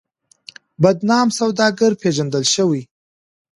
بدنام سوداگر پېژندل شوی.